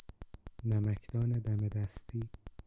نمکدان دم دستی